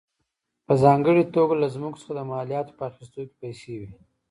په ځانګړې توګه له ځمکو څخه د مالیاتو په اخیستو کې پیسې وې.